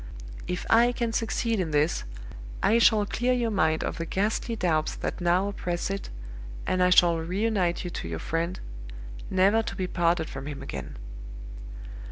If I can succeed in this, I shall clear your mind of the ghastly doubts that now oppress it, and I shall reunite you to your friend, never to be parted from him again.